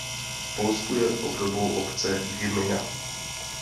V Polsku je obdobou obce gmina.